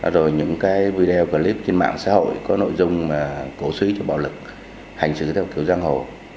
rồi những cái video clip trên mạng xã hội có nội dung cổ suý cho bạo lực hành xử theo kiểu giang hồ